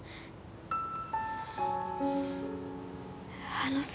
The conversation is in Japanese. あのさ。